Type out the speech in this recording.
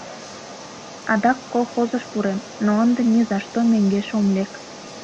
Адак колхозыш пурем, но ынде ни за что мӧҥгеш ом лек!